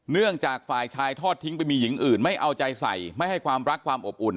เนื่องจากฝ่ายชายทอดทิ้งไปมีหญิงอื่นไม่เอาใจใส่ไม่ให้ความรักความอบอุ่น